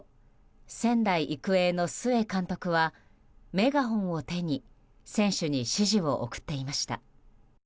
仙台育英の須江監督はメガホンを手に選手に指示を送っていました。